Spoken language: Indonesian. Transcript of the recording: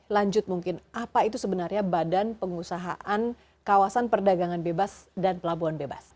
lanjut mungkin apa itu sebenarnya badan pengusahaan kawasan perdagangan bebas dan pelabuhan bebas